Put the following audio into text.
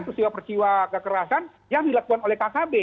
keperciwa perciwa kekerasan yang dilakukan oleh kkb